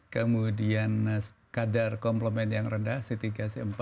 kemudian kadar komplement yang rendah c tiga c empat